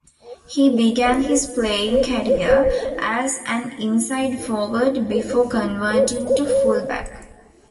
He began his playing career as an inside forward before converting to full back.